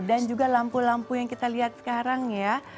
dan juga lampu lampu yang kita lihat sekarang ya